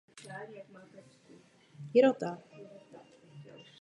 Přesné rozměry však není možné zatím určit.